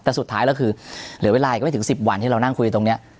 แต่สุดท้ายแล้วคือเหลือเวลาอีกไม่ถึง๑๐วันที่เรานั่งคุยตรงนี้